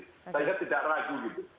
saya tidak ragu gitu